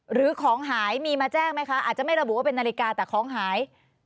หรือของหายมีมาแจ้งไหมคะอาจจะไม่ระบุว่าเป็นนาฬิกาแต่ของหาย